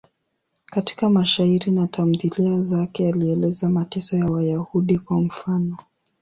Katika mashairi na tamthiliya zake alieleza mateso ya Wayahudi, kwa mfano.